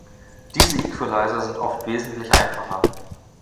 Diese Equalizer sind oft wesentlich einfacher.